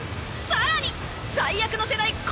さらに最悪の世代紅一点